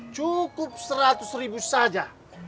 cukup seratus ribu saja